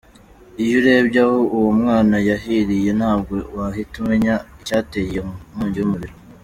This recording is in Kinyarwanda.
Iiyo urebye aho uwo mwana yahiriye ntabwo wahita umenya icyateye iyo nkongi y’umuriro.